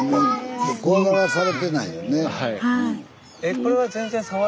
スタジオ怖がらされてないよね。